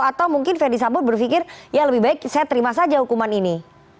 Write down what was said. atau mungkin fendi sambo berpikir ya lebih baik saya terima saja hukuman ini